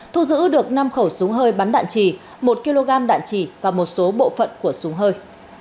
thu giữ được năm khẩu súng hơi bắn đạn trì một kg đạn trì và một số bộ phận của súng hơi